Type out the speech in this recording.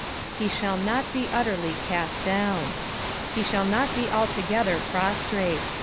"Ha thall not be utterly out down." He shiill not be &ltof(ether prostrue.